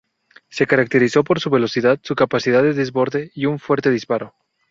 Se caracterizó por su velocidad, su capacidad de desborde y un fuerte disparo.